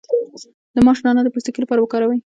د ماش دانه د پوستکي لپاره وکاروئ